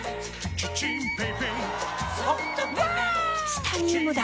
チタニウムだ！